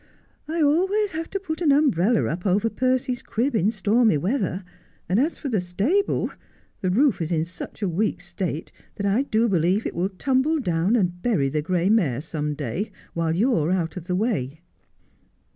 I always have to put an umbrella up over Percy's crib in stormy weather ; and as for the stable, the roof is in such a weak state that I do believe it will tumble down and bury the gray mare some day, while you're out of the way.'